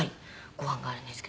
ご飯があるんですけど。